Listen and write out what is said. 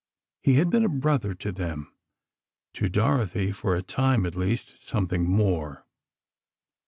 He had been a brother to them—to Dorothy, for a time, at least, something more.